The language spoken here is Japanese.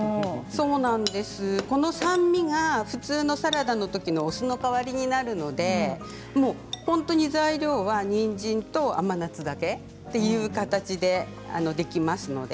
そうなんです、この酸味が普通のサラダのお酢の代わりになるので本当に材料はにんじんと甘夏という形でできますので。